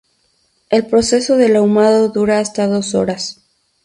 El proceso del ahumado dura hasta dos horas.